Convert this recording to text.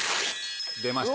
出ました